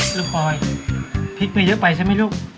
ลูกปลอยพริกมันเยอะไปใช่มั้ยลูก